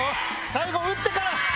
最後打ってから！